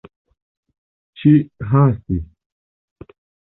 Ŝi hastis.